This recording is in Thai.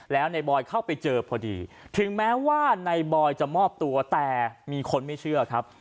แล้วในบอยเข้าไปเจอพอดีถึงแม้ว่าในบอยจะมอบตัวแต่มีคนไม่เชื่อครับ